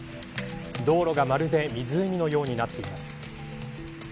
道路がまるで湖のようになっています。